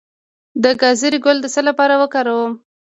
د ګازرې ګل د څه لپاره وکاروم؟